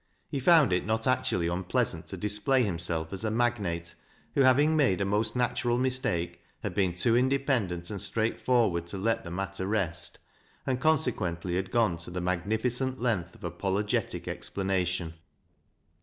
He found it not actually un pleasant to display himself as a magnate, who, having made a most natural mistake, had been too independent and straightforward to let the matter rest, and conse quently had gone to the magnificent length of apologetia explanation.